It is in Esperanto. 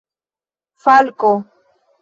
falko